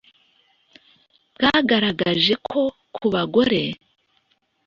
bwagaragaje ko ku bagore